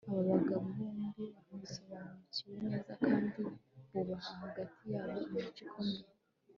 Aba bagabo bombi basobanukiwe neza kandi bubahana hagati yabo imico ikomeye